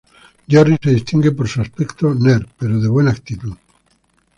Jerry se distingue por su aspecto nerd, pero de buena actitud.